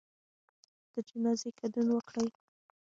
د جنازې ګډون وکړئ